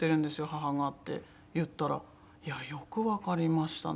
母が」って言ったら「いやよくわかりましたね」